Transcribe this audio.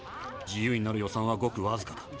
自由になる予算はごくわずかだ。